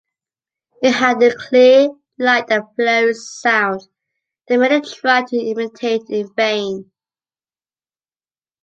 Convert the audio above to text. It had a clear, light, and flowing sound that many tried to imitate in vain.